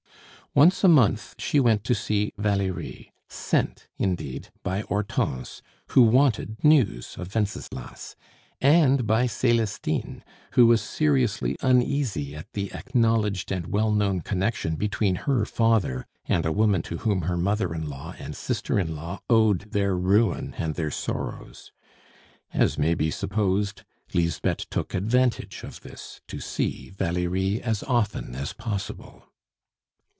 Once a month she went to see Valerie, sent, indeed, by Hortense, who wanted news of Wenceslas, and by Celestine, who was seriously uneasy at the acknowledged and well known connection between her father and a woman to whom her mother in law and sister in law owed their ruin and their sorrows. As may be supposed, Lisbeth took advantage of this to see Valerie as often as possible.